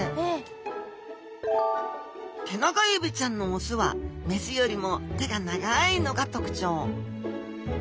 テナガエビちゃんの雄は雌よりも手が長いのが特徴。